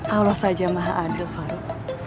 allah saja maha adul farouk